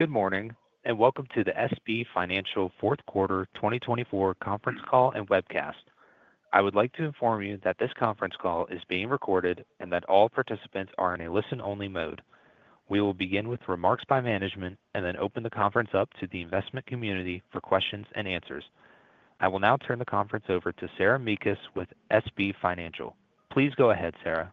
Good morning, and welcome to the SB Financial Fourth Quarter 2024 conference call and webcast. I would like to inform you that this conference call is being recorded and that all participants are in a listen-only mode. We will begin with remarks by management and then open the conference up to the investment community for questions and answers. I will now turn the conference over to Sarah Mekus with SB Financial. Please go ahead, Sarah.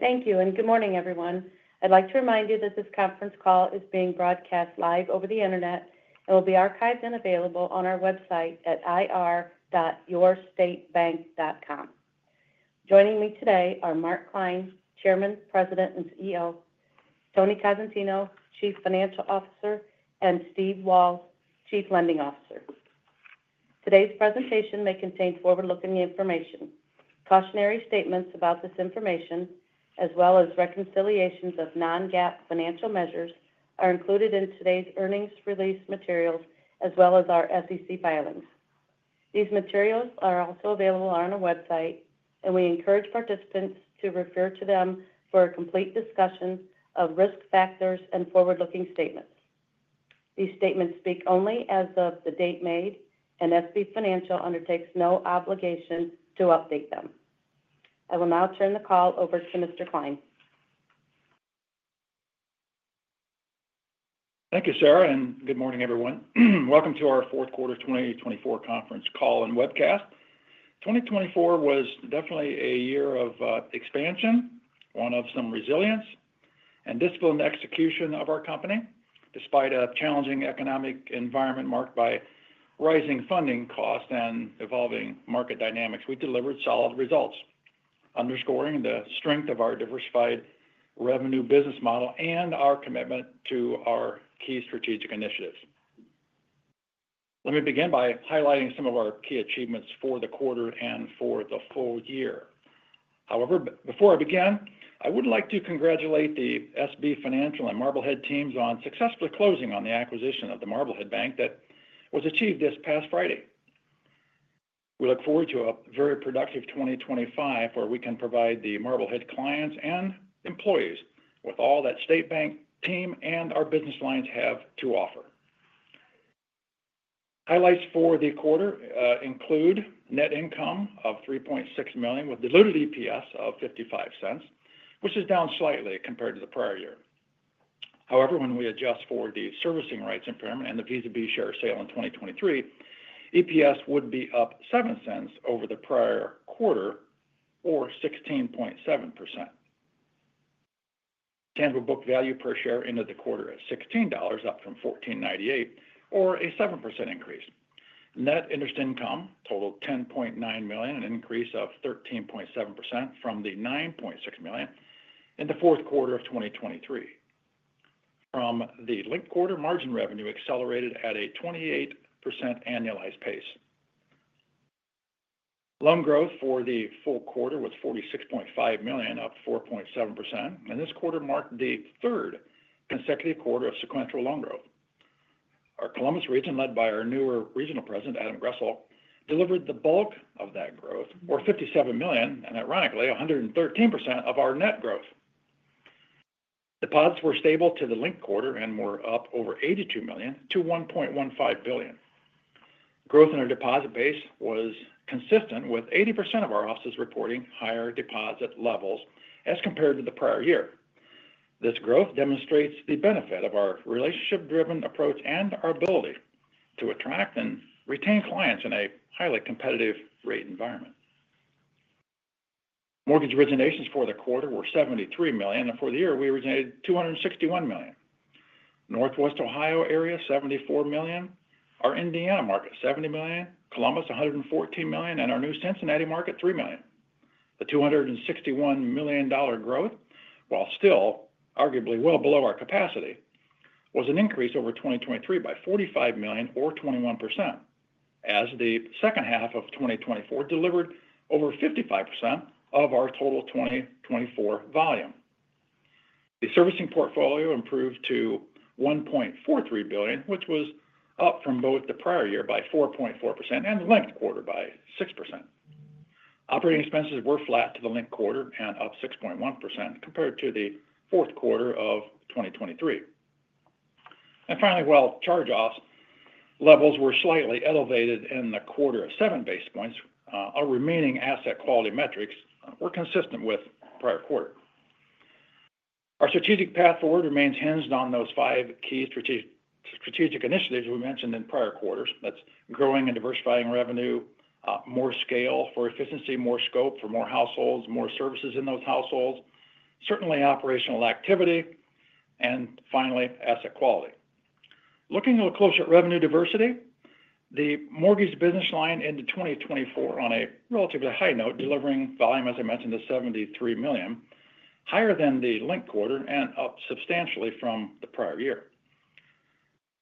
Thank you, and good morning, everyone. I'd like to remind you that this conference call is being broadcast live over the internet and will be archived and available on our website at ir.statebank.com. Joining me today are Mark Klein, Chairman, President, and CEO, Tony Cosentino, Chief Financial Officer, and Steve Walz, Chief Lending Officer. Today's presentation may contain forward-looking information. Cautionary statements about this information, as well as reconciliations of non-GAAP financial measures, are included in today's earnings release materials, as well as our SEC filings. These materials are also available on our website, and we encourage participants to refer to them for a complete discussion of risk factors and forward-looking statements. These statements speak only as of the date made, and SB Financial undertakes no obligation to update them. I will now turn the call over to Mr. Klein. Thank you, Sarah, and good morning, everyone. Welcome to our fourth quarter 2024 conference call and webcast. 2024 was definitely a year of expansion, one of some resilience and disciplined execution of our company. Despite a challenging economic environment marked by rising funding costs and evolving market dynamics, we delivered solid results, underscoring the strength of our diversified revenue business model and our commitment to our key strategic initiatives. Let me begin by highlighting some of our key achievements for the quarter and for the full year. However, before I begin, I would like to congratulate the SB Financial and Marblehead teams on successfully closing on the acquisition of the Marblehead Bank that was achieved this past Friday. We look forward to a very productive 2025, where we can provide the Marblehead clients and employees with all that State Bank team and our business lines have to offer. Highlights for the quarter include net income of $3.6 million with a diluted EPS of $0.55, which is down slightly compared to the prior year. However, when we adjust for the servicing rights impairment and the Visa share sale in 2023, EPS would be up $0.07 over the prior quarter, or 16.7%. Tangible book value per share ended the quarter at $16, up from $14.98, or a 7% increase. Net interest income totaled $10.9 million, an increase of 13.7% from the $9.6 million in the fourth quarter of 2023. From the linked quarter, margin revenue accelerated at a 28% annualized pace. Loan growth for the full quarter was $46.5 million, up 4.7%, and this quarter marked the third consecutive quarter of sequential loan growth. Our Columbus region, led by our newer regional president, Adam Gressel, delivered the bulk of that growth, or $57 million, and ironically, 113% of our net growth. Deposits were stable to the linked quarter and were up over $82 million-$1.15 billion. Growth in our deposit base was consistent with 80% of our offices reporting higher deposit levels as compared to the prior year. This growth demonstrates the benefit of our relationship-driven approach and our ability to attract and retain clients in a highly competitive rate environment. Mortgage originations for the quarter were $73 million, and for the year, we originated $261 million. Northwest Ohio area, $74 million. Our Indiana market, $70 million. Columbus, $114 million, and our new Cincinnati market, $3 million. The $261 million growth, while still arguably well below our capacity, was an increase over 2023 by $45 million, or 21%, as the second half of 2024 delivered over 55% of our total 2024 volume. The servicing portfolio improved to $1.43 billion, which was up from both the prior year by 4.4% and the linked quarter by 6%. Operating expenses were flat to the linked quarter and up 6.1% compared to the fourth quarter of 2023, and finally, while charge-off levels were slightly elevated in the quarter of seven basis points, our remaining asset quality metrics were consistent with prior quarter. Our strategic path forward remains hinged on those five key strategic initiatives we mentioned in prior quarters. That's growing and diversifying revenue, more scale for efficiency, more scope for more households, more services in those households, certainly operational activity, and finally, asset quality. Looking a little closer at revenue diversity, the mortgage business line ended 2024 on a relatively high note, delivering volume, as I mentioned, to $73 million, higher than the linked quarter and up substantially from the prior year.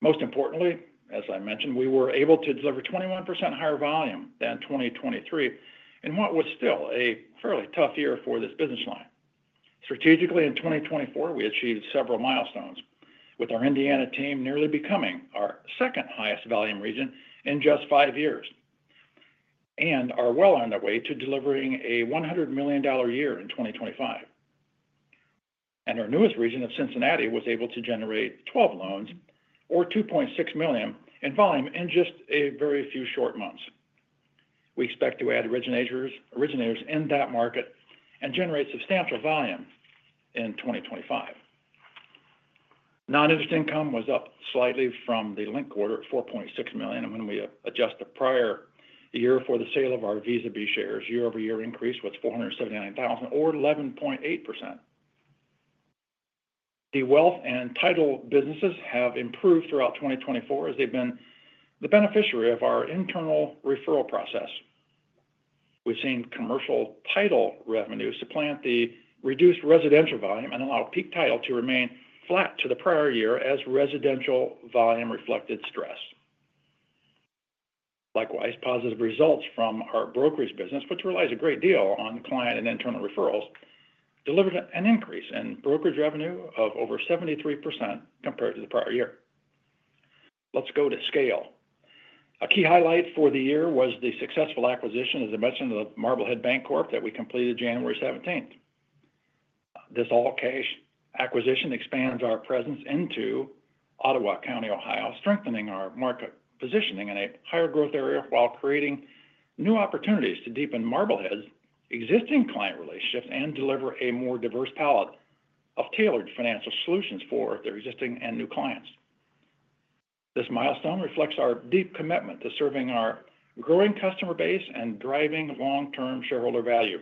Most importantly, as I mentioned, we were able to deliver 21% higher volume than 2023 in what was still a fairly tough year for this business line. Strategically, in 2024, we achieved several milestones, with our Indiana team nearly becoming our second highest volume region in just five years and are well on our way to delivering a $100 million year in 2025, and our newest region of Cincinnati was able to generate 12 loans, or $2.6 million in volume, in just a very few short months. We expect to add originators in that market and generate substantial volume in 2025. Non-interest income was up slightly from the linked quarter at $4.6 million, and when we adjust the prior year for the sale of our Visa shares, year-over-year increase was $479,000, or 11.8%. The wealth and title businesses have improved throughout 2024 as they've been the beneficiary of our internal referral process. We've seen commercial title revenues supplant the reduced residential volume and allow Peak Title to remain flat to the prior year as residential volume reflected stress. Likewise, positive results from our brokerage business, which relies a great deal on client and internal referrals, delivered an increase in brokerage revenue of over 73% compared to the prior year. Let's go to scale. A key highlight for the year was the successful acquisition, as I mentioned, of the Marblehead Bancorp that we completed January 17th. This all-cash acquisition expands our presence into Ottawa County, Ohio, strengthening our market positioning in a higher growth area while creating new opportunities to deepen Marblehead's existing client relationships and deliver a more diverse palette of tailored financial solutions for their existing and new clients. This milestone reflects our deep commitment to serving our growing customer base and driving long-term shareholder value.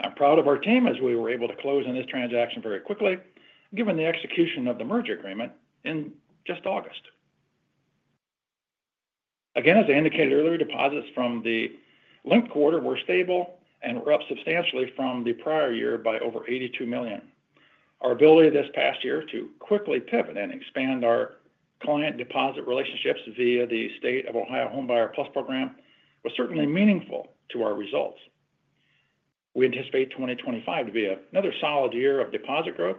I'm proud of our team as we were able to close on this transaction very quickly, given the execution of the merger agreement in just August. Again, as I indicated earlier, deposits from the linked quarter were stable and were up substantially from the prior year by over $82 million. Our ability this past year to quickly pivot and expand our client deposit relationships via the State of Ohio Homebuyer Plus program was certainly meaningful to our results. We anticipate 2025 to be another solid year of deposit growth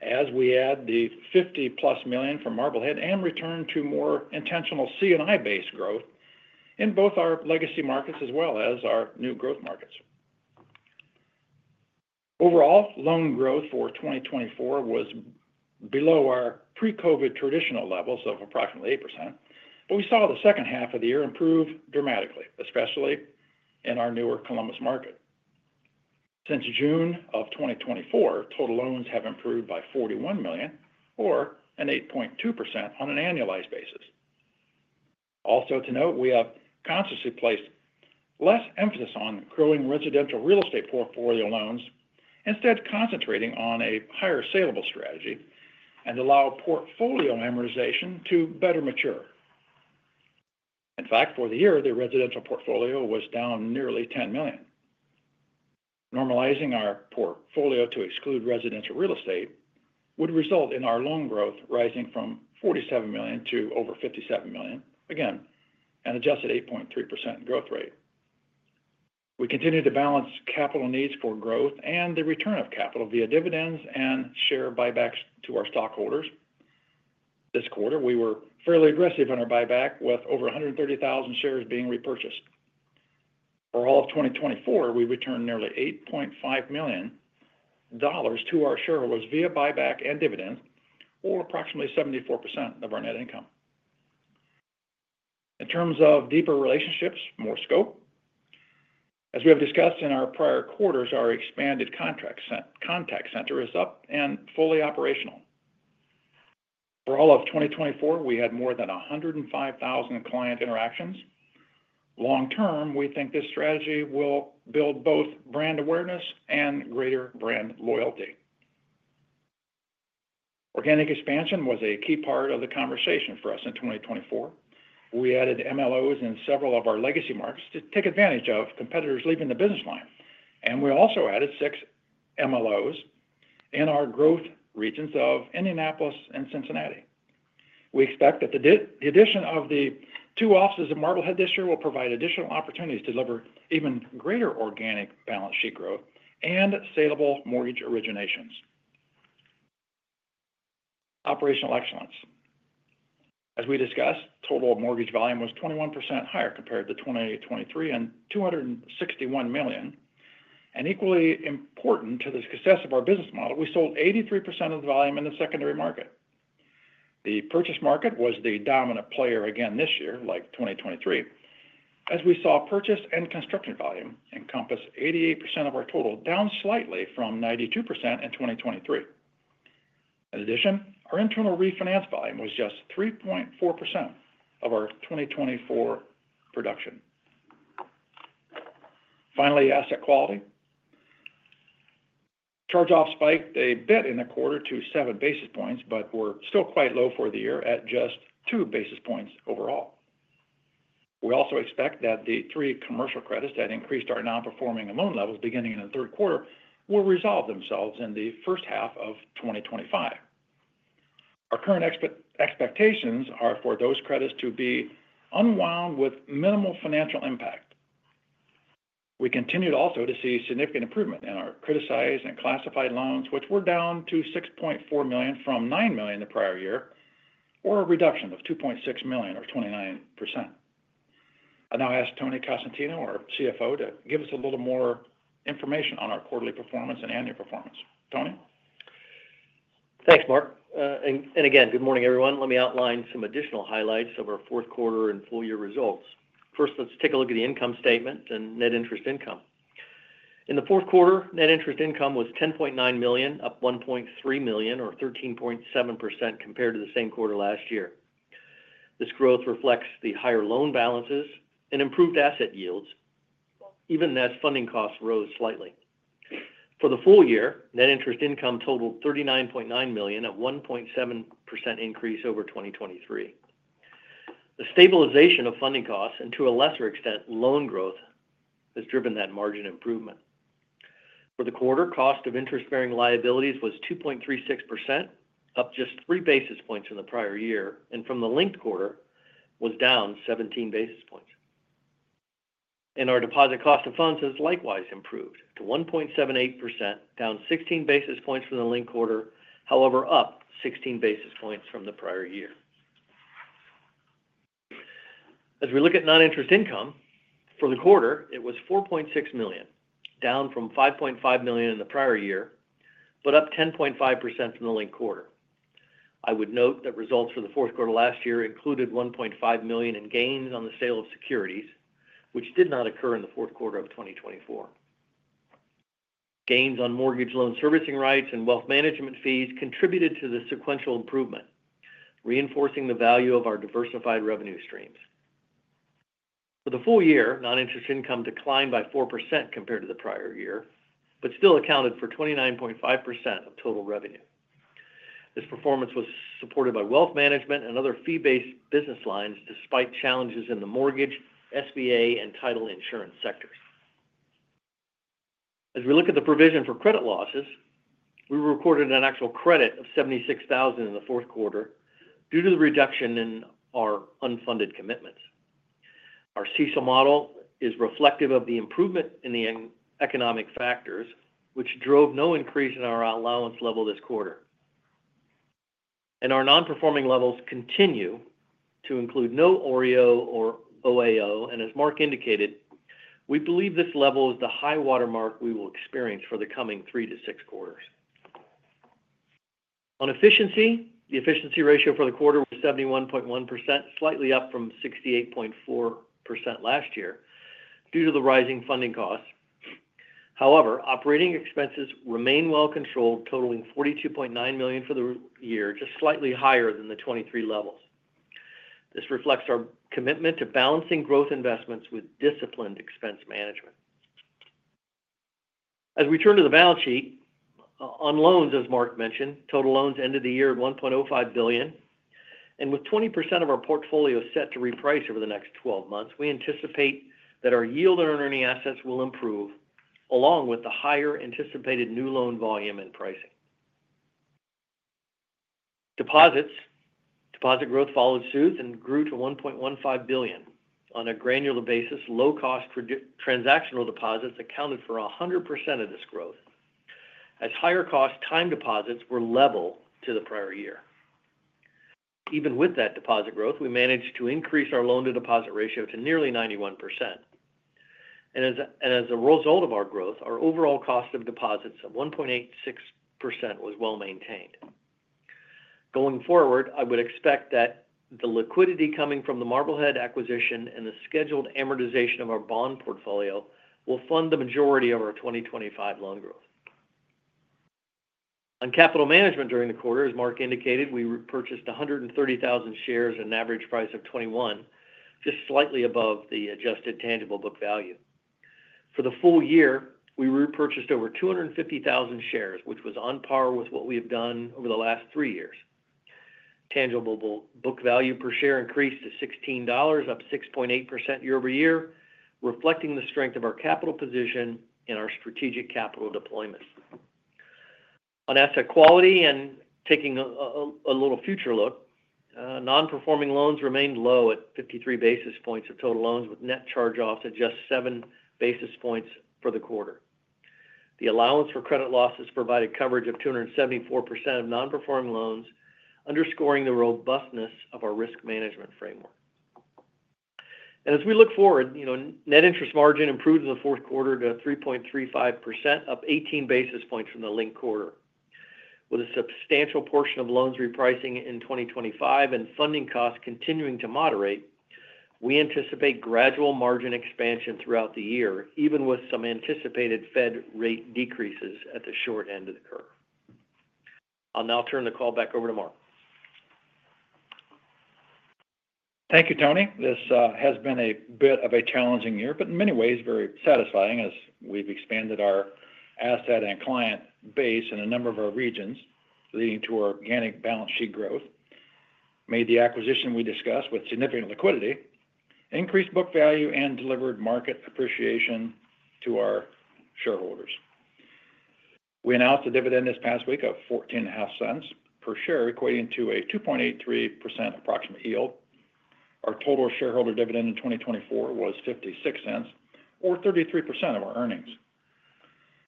as we add the $50-plus million from Marblehead and return to more intentional C&I-based growth in both our legacy markets as well as our new growth markets. Overall, loan growth for 2024 was below our pre-COVID traditional levels of approximately 8%, but we saw the second half of the year improve dramatically, especially in our newer Columbus market. Since June of 2024, total loans have improved by $41 million, or 8.2% on an annualized basis. Also to note, we have consciously placed less emphasis on growing residential real estate portfolio loans, instead concentrating on a higher saleable strategy and allowed portfolio amortization to better mature. In fact, for the year, the residential portfolio was down nearly $10 million. Normalizing our portfolio to exclude residential real estate would result in our loan growth rising from $47 million to over $57 million, again, an adjusted 8.3% growth rate. We continue to balance capital needs for growth and the return of capital via dividends and share buybacks to our stockholders. This quarter, we were fairly aggressive on our buyback, with over 130,000 shares being repurchased. For all of 2024, we returned nearly $8.5 million to our shareholders via buyback and dividends, or approximately 74% of our net income. In terms of deeper relationships, more scope. As we have discussed in our prior quarters, our expanded contact center is up and fully operational. For all of 2024, we had more than 105,000 client interactions. Long term, we think this strategy will build both brand awareness and greater brand loyalty. Organic expansion was a key part of the conversation for us in 2024. We added MLOs in several of our legacy markets to take advantage of competitors leaving the business line. We also added six MLOs in our growth regions of Indianapolis and Cincinnati. We expect that the addition of the two offices of Marblehead this year will provide additional opportunities to deliver even greater organic balance sheet growth and saleable mortgage originations. Operational excellence. As we discussed, total mortgage volume was 21% higher compared to 2023 and $261 million. Equally important to the success of our business model, we sold 83% of the volume in the secondary market. The purchase market was the dominant player again this year, like 2023, as we saw purchase and construction volume encompass 88% of our total, down slightly from 92% in 2023. In addition, our internal refinance volume was just 3.4% of our 2024 production. Finally, asset quality. Charge-offs spiked a bit in the quarter to seven basis points, but were still quite low for the year at just two basis points overall. We also expect that the three commercial credits that increased our non-performing loan levels beginning in the third quarter will resolve themselves in the first half of 2025. Our current expectations are for those credits to be unwound with minimal financial impact. We continued also to see significant improvement in our criticized and classified loans, which were down to $6.4 million from $9 million the prior year, or a reduction of $2.6 million, or 29%. I now ask Tony Cosentino, our CFO, to give us a little more information on our quarterly performance and annual performance. Tony? Thanks, Mark. And again, good morning, everyone. Let me outline some additional highlights of our fourth quarter and full year results. First, let's take a look at the income statement and net interest income. In the fourth quarter, net interest income was $10.9 million, up $1.3 million, or 13.7% compared to the same quarter last year. This growth reflects the higher loan balances and improved asset yields, even as funding costs rose slightly. For the full year, net interest income totaled $39.9 million, a 1.7% increase over 2023. The stabilization of funding costs and, to a lesser extent, loan growth has driven that margin improvement. For the quarter, cost of interest-bearing liabilities was 2.36%, up just three basis points from the prior year, and from the linked quarter, was down 17 basis points. And our deposit cost of funds has likewise improved to 1.78%, down 16 basis points from the linked quarter, however, up 16 basis points from the prior year. As we look at non-interest income, for the quarter, it was $4.6 million, down from $5.5 million in the prior year, but up 10.5% from the linked quarter. I would note that results for the fourth quarter last year included $1.5 million in gains on the sale of securities, which did not occur in the fourth quarter of 2024. Gains on mortgage loan servicing rights and wealth management fees contributed to the sequential improvement, reinforcing the value of our diversified revenue streams. For the full year, non-interest income declined by 4% compared to the prior year, but still accounted for 29.5% of total revenue. This performance was supported by wealth management and other fee-based business lines despite challenges in the mortgage, SBA, and title insurance sectors. As we look at the provision for credit losses, we recorded an actual credit of $76,000 in the fourth quarter due to the reduction in our unfunded commitments. Our CECL model is reflective of the improvement in the economic factors, which drove no increase in our allowance level this quarter. Our non-performing levels continue to include no OREO or OAO, and as Mark indicated, we believe this level is the high watermark we will experience for the coming three to six quarters. On efficiency, the efficiency ratio for the quarter was 71.1%, slightly up from 68.4% last year due to the rising funding costs. However, operating expenses remain well controlled, totaling $42.9 million for the year, just slightly higher than the 2023 levels. This reflects our commitment to balancing growth investments with disciplined expense management. As we turn to the balance sheet, on loans, as Mark mentioned, total loans ended the year at $1.05 billion, and with 20% of our portfolio set to reprice over the next 12 months, we anticipate that our yield on earning assets will improve, along with the higher anticipated new loan volume and pricing. Deposits growth followed suit and grew to $1.15 billion. On a granular basis, low-cost transactional deposits accounted for 100% of this growth, as higher-cost time deposits were level to the prior year. Even with that deposit growth, we managed to increase our loan-to-deposit ratio to nearly 91%, and as a result of our growth, our overall cost of deposits of 1.86% was well maintained. Going forward, I would expect that the liquidity coming from the Marblehead acquisition and the scheduled amortization of our bond portfolio will fund the majority of our 2025 loan growth. On capital management during the quarter, as Mark indicated, we repurchased 130,000 shares at an average price of $21, just slightly above the adjusted tangible book value. For the full year, we repurchased over 250,000 shares, which was on par with what we have done over the last three years. Tangible book value per share increased to $16, up 6.8% year-over-year, reflecting the strength of our capital position and our strategic capital deployments. On asset quality and taking a little future look, non-performing loans remained low at 53 basis points of total loans, with net charge-offs at just 7 basis points for the quarter. The allowance for credit losses provided coverage of 274% of non-performing loans, underscoring the robustness of our risk management framework. As we look forward, net interest margin improved in the fourth quarter to 3.35%, up 18 basis points from the linked quarter. With a substantial portion of loans repricing in 2025 and funding costs continuing to moderate, we anticipate gradual margin expansion throughout the year, even with some anticipated Fed rate decreases at the short end of the curve. I'll now turn the call back over to Mark. Thank you, Tony. This has been a bit of a challenging year, but in many ways, very satisfying as we've expanded our asset and client base in a number of our regions, leading to organic balance sheet growth, made the acquisition we discussed with significant liquidity, increased book value, and delivered market appreciation to our shareholders. We announced a dividend this past week of $0.14 per share, equating to a 2.83% approximate yield. Our total shareholder dividend in 2024 was $0.56, or 33% of our earnings.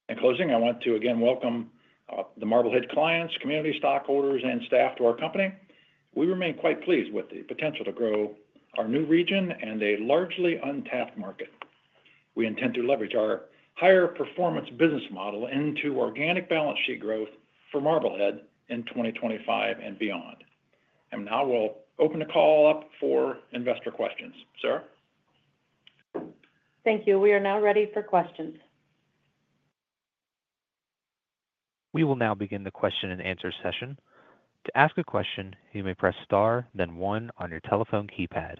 In closing, I want to again welcome the Marblehead clients, community stockholders, and staff to our company. We remain quite pleased with the potential to grow our new region and a largely untapped market. We intend to leverage our higher-performance business model into organic balance sheet growth for Marblehead in 2025 and beyond. And now we'll open the call up for investor questions. Sarah? Thank you. We are now ready for questions. We will now begin the question-and-answer session. To ask a question, you may press star, then one on your telephone keypad.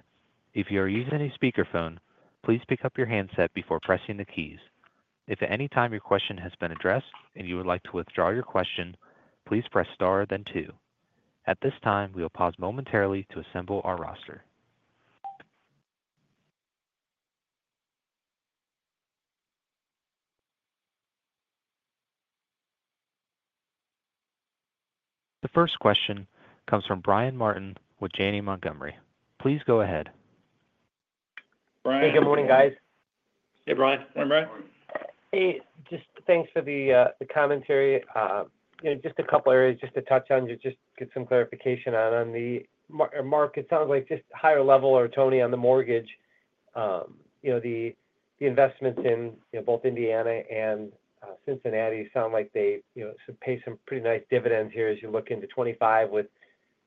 If you are using a speakerphone, please pick up your handset before pressing the keys. If at any time your question has been addressed and you would like to withdraw your question, please press star, then two. At this time, we will pause momentarily to assemble our roster. The first question comes from Brian Martin with Janney Montgomery Scott. Please go ahead. Brian. Hey, good morning, guys. Hey, Brian. Morning, Brian. Hey. Just thanks for the commentary. Just a couple of areas just to touch on, just get some clarification on. Mark, it sounds like just higher level or, Tony, on the mortgage, the investments in both Indiana and Cincinnati sound like they pay some pretty nice dividends here as you look into 2025 with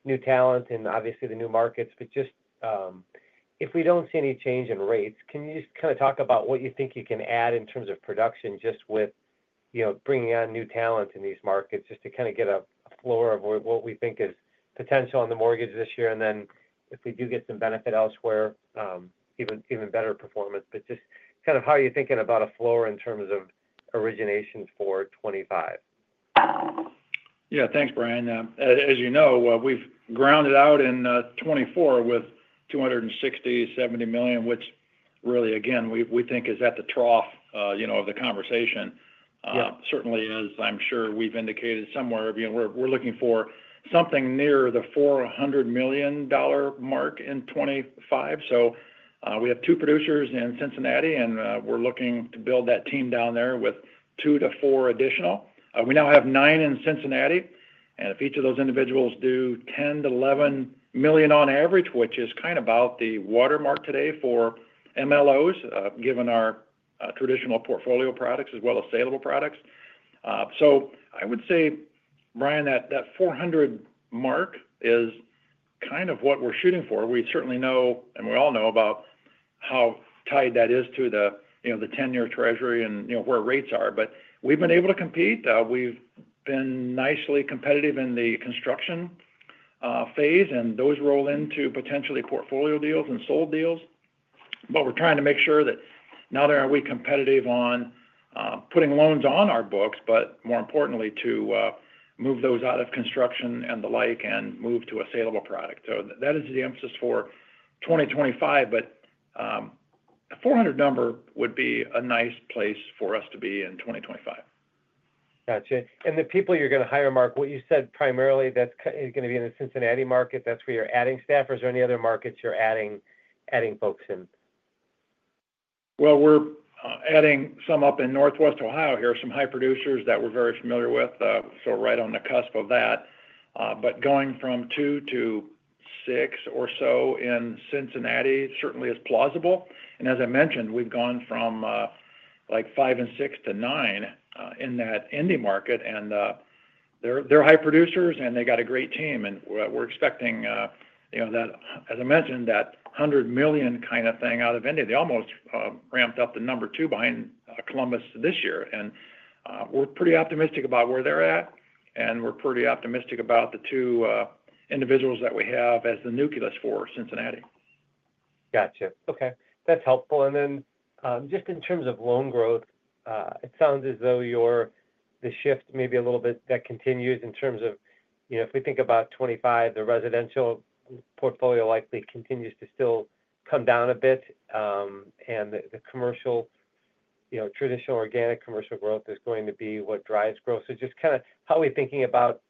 new talent and obviously the new markets. But just if we don't see any change in rates, can you just kind of talk about what you think you can add in terms of production just with bringing on new talent in these markets just to kind of get a floor of what we think is potential on the mortgage this year? And then if we do get some benefit elsewhere, even better performance. But just kind of how are you thinking about a floor in terms of originations for 2025? Yeah. Thanks, Brian. As you know, we've grounded out in 2024 with $260 million, $70 million, which really, again, we think is at the trough of the conversation. Certainly, as I'm sure we've indicated somewhere, we're looking for something near the $400 million mark in 2025. We have two producers in Cincinnati, and we're looking to build that team down there with two to four additional. We now have nine in Cincinnati. And if each of those individuals do $10 million-$11 million on average, which is kind of about the watermark today for MLOs, given our traditional portfolio products as well as saleable products. I would say, Brian, that $400 mark is kind of what we're shooting for. We certainly know, and we all know about how tied that is to the 10-year treasury and where rates are. But we've been able to compete. We've been nicely competitive in the construction phase, and those roll into potentially portfolio deals and sold deals. But we're trying to make sure that not only are we competitive on putting loans on our books, but more importantly, to move those out of construction and the like and move to a saleable product. So that is the emphasis for 2025, but the $400 number would be a nice place for us to be in 2025. Gotcha. And the people you're going to hire, Mark, what you said primarily that's going to be in the Cincinnati market, that's where you're adding staff, or is there any other markets you're adding folks in? Well, we're adding some up in Northwest Ohio here, some high producers that we're very familiar with, so right on the cusp of that. But going from two to six or so in Cincinnati certainly is plausible. And as I mentioned, we've gone from like five and six to nine in that Indy market. And they're high producers, and they got a great team. And we're expecting that, as I mentioned, that $100 million kind of thing out of Indy. They almost ramped up the number two behind Columbus this year. And we're pretty optimistic about where they're at, and we're pretty optimistic about the two individuals that we have as the nucleus for Cincinnati. Gotcha. Okay. That's helpful and then just in terms of loan growth, it sounds as though the shift, maybe a little bit, that continues in terms of if we think about 2025, the residential portfolio likely continues to still come down a bit, and the traditional organic commercial growth is going to be what drives growth, so just kind of how are we thinking about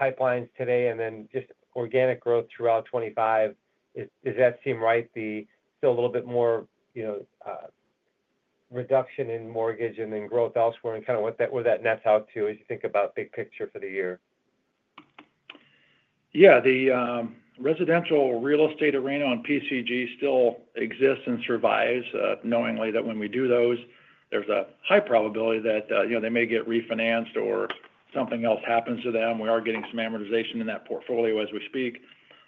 pipelines today and then just organic growth throughout 2025? Does that seem right? Still a little bit more reduction in mortgage and then growth elsewhere and kind of where that nets out to as you think about big picture for the year? Yeah. The residential real estate arena on PCG still exists and survives. Knowing that when we do those, there's a high probability that they may get refinanced or something else happens to them. We are getting some amortization in that portfolio as we speak.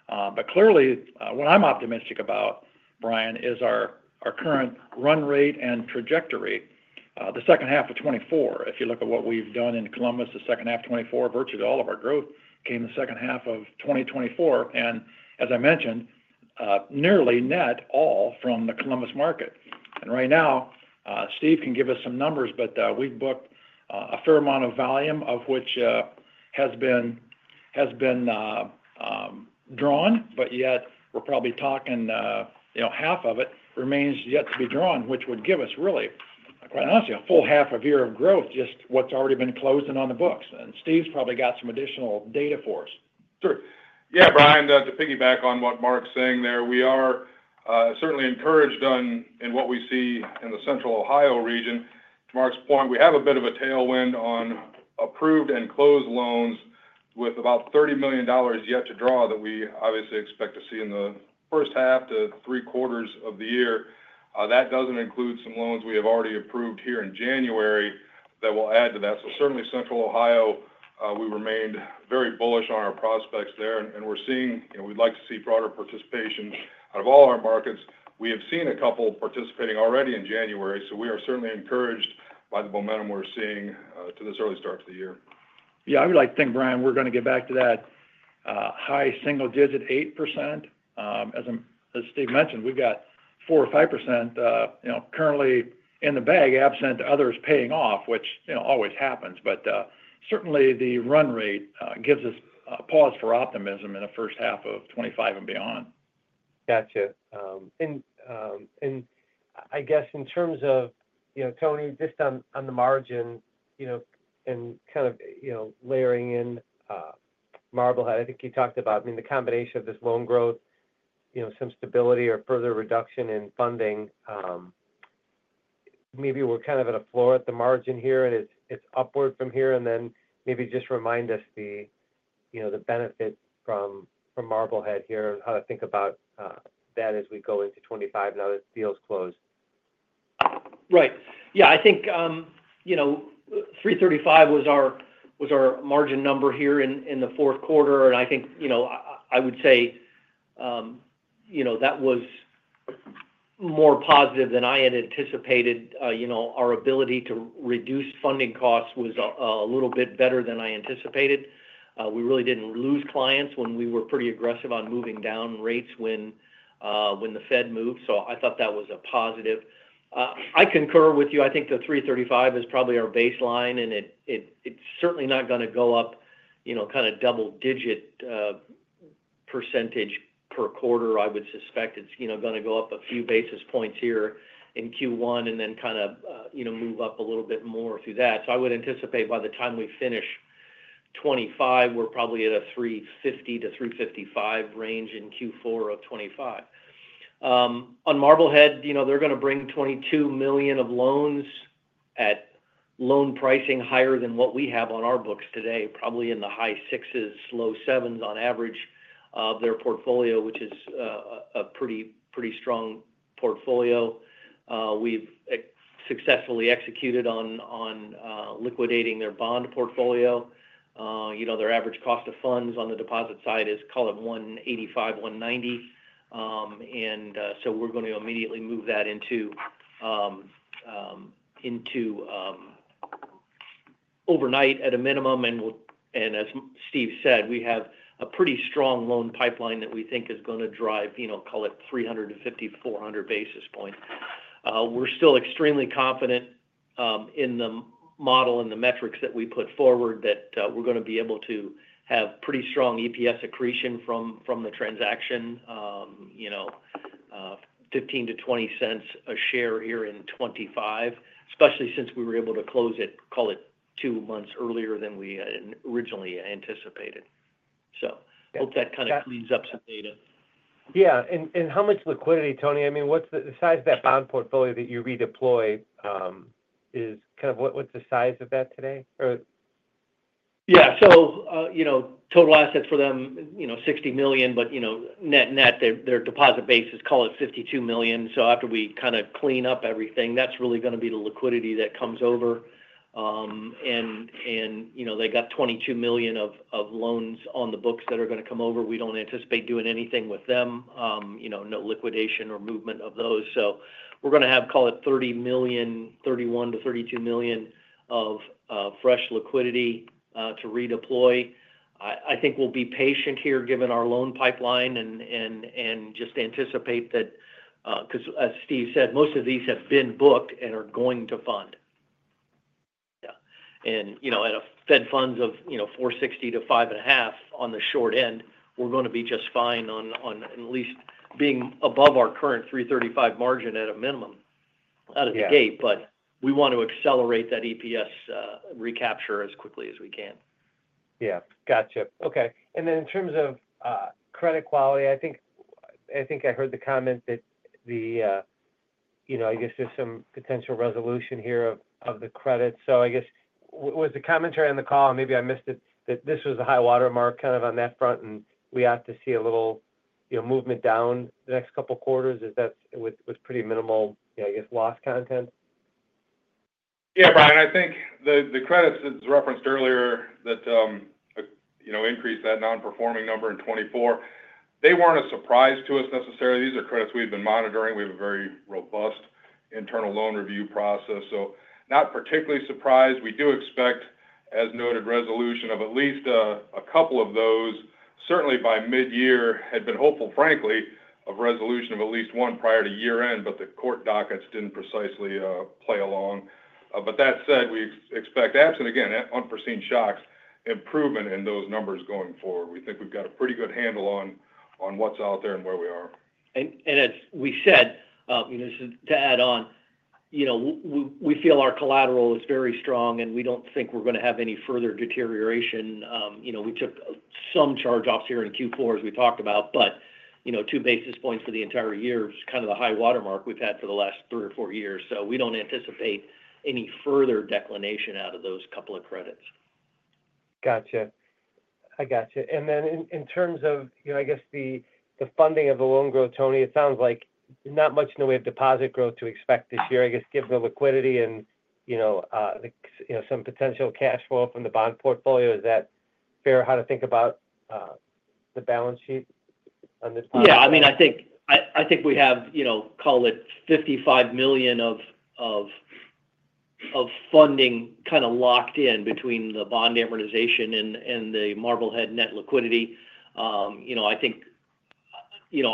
But clearly, what I'm optimistic about, Brian, is our current run rate and trajectory. The second half of 2024, if you look at what we've done in Columbus, the second half of 2024, virtually all of our growth came the second half of 2024. And as I mentioned, nearly net all from the Columbus market. And right now, Steve can give us some numbers, but we've booked a fair amount of volume, of which has been drawn, but yet we're probably talking half of it remains yet to be drawn, which would give us really, quite honestly, a full half a year of growth, just what's already been closed and on the books. And Steve's probably got some additional data for us. Sure. Yeah, Brian, to piggyback on what Mark's saying there, we are certainly encouraged in what we see in the central Ohio region. To Mark's point, we have a bit of a tailwind on approved and closed loans with about $30 million yet to draw that we obviously expect to see in the first half to three quarters of the year. That doesn't include some loans we have already approved here in January that will add to that. So certainly, central Ohio, we remained very bullish on our prospects there. And we're seeing. We'd like to see broader participation out of all our markets. We have seen a couple participating already in January. So we are certainly encouraged by the momentum we're seeing to this early start of the year. Yeah. I would like to think, Brian, we're going to get back to that high single-digit 8%. As Steve mentioned, we've got 4% or 5% currently in the bag, absent others paying off, which always happens. But certainly, the run rate gives us pause for optimism in the first half of 2025 and beyond. Gotcha. And I guess in terms of, Tony, just on the margin and kind of layering in Marblehead, I think you talked about, I mean, the combination of this loan growth, some stability or further reduction in funding. Maybe we're kind of at a floor at the margin here, and it's upward from here. And then maybe just remind us the benefit from Marblehead here, how to think about that as we go into 2025 now that deals close. Right. Yeah. I think $335 was our margin number here in the fourth quarter. And I think I would say that was more positive than I had anticipated. Our ability to reduce funding costs was a little bit better than I anticipated. We really didn't lose clients when we were pretty aggressive on moving down rates when the Fed moved. So I thought that was a positive. I concur with you. I think the $335 is probably our baseline, and it's certainly not going to go up kind of double-digit percentage per quarter. I would suspect it's going to go up a few basis points here in Q1 and then kind of move up a little bit more through that. So I would anticipate by the time we finish 2025, we're probably at a $350-$355 range in Q4 of 2025. On Marblehead, they're going to bring $22 million of loans at loan pricing higher than what we have on our books today, probably in the high sixes, low sevens on average of their portfolio, which is a pretty strong portfolio. We've successfully executed on liquidating their bond portfolio. Their average cost of funds on the deposit side is, call it 185-190, and so we're going to immediately move that into overnight at a minimum, and as Steve said, we have a pretty strong loan pipeline that we think is going to drive, call it 350-400 basis points. We're still extremely confident in the model and the metrics that we put forward that we're going to be able to have pretty strong EPS accretion from the transaction, $0.15-$0.20 a share here in 2025, especially since we were able to close it, call it two months earlier than we had originally anticipated. So I hope that kind of cleans up some data. Yeah. And how much liquidity, Tony? I mean, the size of that bond portfolio that you redeploy is kind of what's the size of that today? Yeah. So total assets for them, $60 million, but net net, their deposit base is, call it $52 million. So after we kind of clean up everything, that's really going to be the liquidity that comes over. And they got $22 million of loans on the books that are going to come over. We don't anticipate doing anything with them, no liquidation or movement of those. So we're going to have, call it $30 million, $31 million-$32 million of fresh liquidity to redeploy. I think we'll be patient here given our loan pipeline and just anticipate that, because as Steve said, most of these have been booked and are going to fund. Yeah. And at a Fed funds of 4.60%-5.5% on the short end, we're going to be just fine on at least being above our current 3.35% margin at a minimum out of the gate. But we want to accelerate that EPS recapture as quickly as we can. Yeah. Gotcha. Okay. And then in terms of credit quality, I think I heard the comment that I guess there's some potential resolution here of the credits. So I guess was the commentary on the call, and maybe I missed it, that this was a high watermark kind of on that front, and we ought to see a little movement down the next couple of quarters with pretty minimal, I guess, loss content? Yeah, Brian. I think the credits that were referenced earlier that increased that non-performing number in 2024, they weren't a surprise to us necessarily. These are credits we've been monitoring. We have a very robust internal loan review process. So not particularly surprised. We do expect, as noted, resolution of at least a couple of those. Certainly, by mid-year, had been hopeful, frankly, of resolution of at least one prior to year-end, but the court dockets didn't precisely play along. But that said, we expect, absent again unforeseen shocks, improvement in those numbers going forward. We think we've got a pretty good handle on what's out there and where we are. And as we said, to add on, we feel our collateral is very strong, and we don't think we're going to have any further deterioration. We took some charge-offs here in Q4, as we talked about, but two basis points for the entire year is kind of the high watermark we've had for the last three or four years, so we don't anticipate any further declination out of those couple of credits. Gotcha. I gotcha. And then in terms of, I guess, the funding of the loan growth, Tony, it sounds like not much in the way of deposit growth to expect this year. I guess given the liquidity and some potential cash flow from the bond portfolio, is that fair how to think about the balance sheet on this project? Yeah. I mean, I think we have, call it $55 million of funding kind of locked in between the bond amortization and the Marblehead net liquidity. I think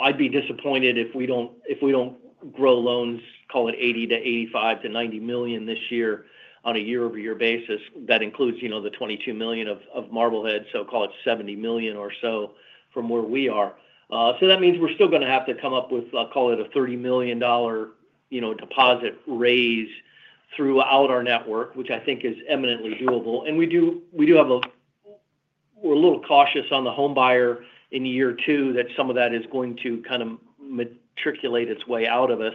I'd be disappointed if we don't grow loans, call it $80 to $85 to $90 million this year on a year-over-year basis. That includes the $22 million of Marblehead, so call it $70 million or so from where we are. So that means we're still going to have to come up with, call it a $30 million deposit raise throughout our network, which I think is eminently doable. And we do have, we're a little cautious on the homebuyer in year two that some of that is going to kind of migrate its way out of us.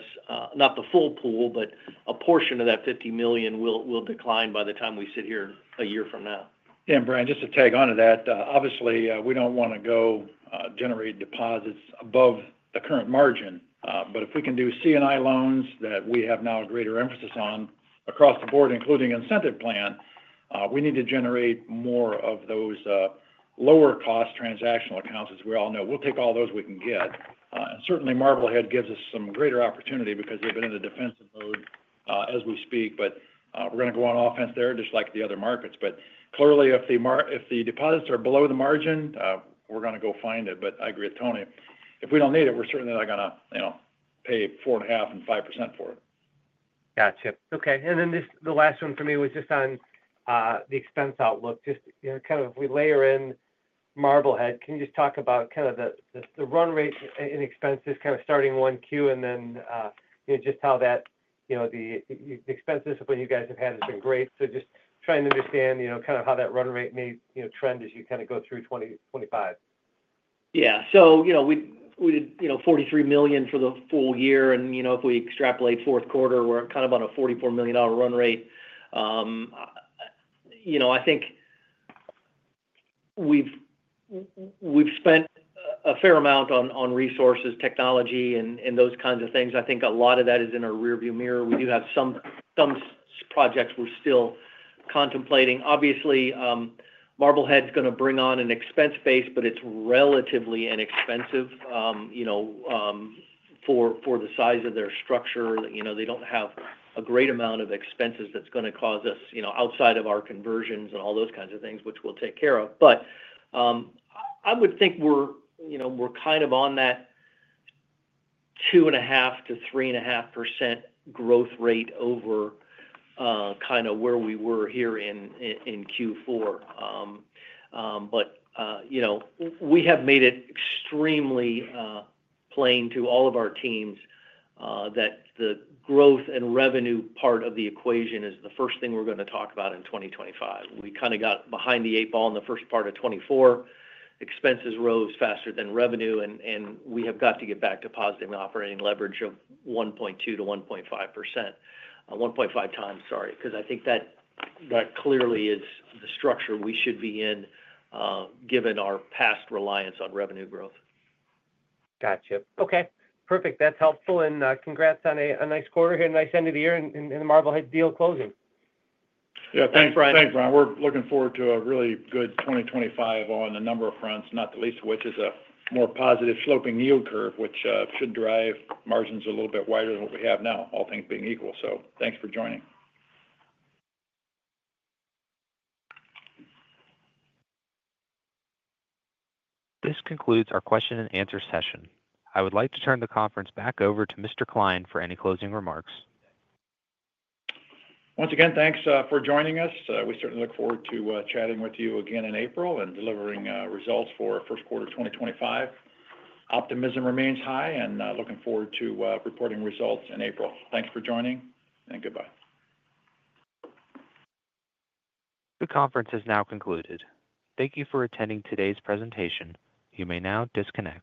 Not the full pool, but a portion of that $50 million will decline by the time we sit here a year from now. Brian, just to tag on to that, obviously, we don't want to go generate deposits above the current margin. But if we can do C&I loans that we have now a greater emphasis on across the board, including incentive plan, we need to generate more of those lower-cost transactional accounts, as we all know. We'll take all those we can get. And certainly, Marblehead gives us some greater opportunity because they've been in a defensive mode as we speak. But we're going to go on offense there, just like the other markets. But clearly, if the deposits are below the margin, we're going to go find it. But I agree with Tony. If we don't need it, we're certainly not going to pay $4.5% and 5% for it. Gotcha. Okay. And then the last one for me was just on the expense outlook. Just kind of if we layer in Marblehead, can you just talk about kind of the run rate and expenses kind of starting one Q and then just how that the expenses when you guys have had has been great. So just trying to understand kind of how that run rate may trend as you kind of go through 2025. Yeah. So we did $43 million for the full year, and if we extrapolate fourth quarter, we're kind of on a $44 million run rate. I think we've spent a fair amount on resources, technology, and those kinds of things. I think a lot of that is in our rearview mirror. We do have some projects we're still contemplating. Obviously, Marblehead's going to bring on an expense base, but it's relatively inexpensive for the size of their structure. They don't have a great amount of expenses that's going to cause us outside of our conversions and all those kinds of things, which we'll take care of, but I would think we're kind of on that 2.5%-3.5% growth rate over kind of where we were here in Q4. But we have made it extremely plain to all of our teams that the growth and revenue part of the equation is the first thing we're going to talk about in 2025. We kind of got behind the eight ball in the first part of 2024. Expenses rose faster than revenue, and we have got to get back to positive operating leverage of 1.2%-1.5%. 1.5 times, sorry. Because I think that clearly is the structure we should be in given our past reliance on revenue growth. Gotcha. Okay. Perfect. That's helpful. And congrats on a nice quarter here and a nice end of the year and the Marblehead deal closing. Yeah. Thanks, Brian. Thanks, Brian. We're looking forward to a really good 2025 on a number of fronts, not the least of which is a more positive sloping yield curve, which should drive margins a little bit wider than what we have now, all things being equal. So thanks for joining. This concludes our question-and-answer session. I would like to turn the conference back over to Mr. Klein for any closing remarks. Once again, thanks for joining us. We certainly look forward to chatting with you again in April and delivering results for first quarter 2025. Optimism remains high, and looking forward to reporting results in April. Thanks for joining, and goodbye. The conference has now concluded. Thank you for attending today's presentation. You may now disconnect.